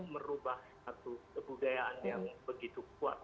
merubah satu kebudayaan yang begitu kuat